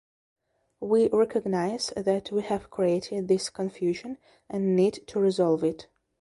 We recognize that we have created this confusion and need to resolve it.